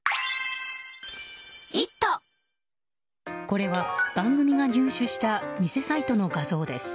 これは番組が入手した偽サイトの画像です。